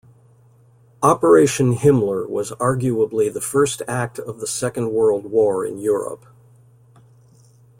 Operation Himmler was arguably the first act of the Second World War in Europe.